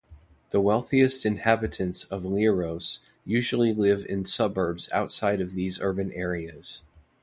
The wealthiest inhabitants of Oleiros usually live in suburbs outside of these urban areas.